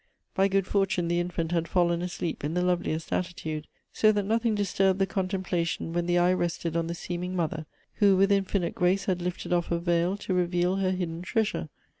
By good fortmie the infant had foUen asleep in the loveliest attitude, so that nothing disturbed the contemplation when the eye rested on the seeming mother, who with infinite grace had lifted off a veil to reveal her hidden ti easure.